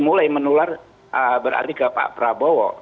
mulai menular berarti ke pak prabowo